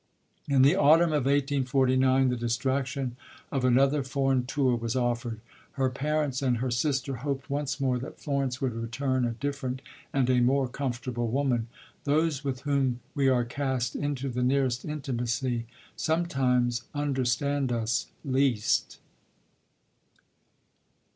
In the autumn of 1849 the distraction of another foreign tour was offered. Her parents and her sister hoped once more that Florence would return a different and a more comfortable woman. Those with whom we are cast into the nearest intimacy sometimes understand us least.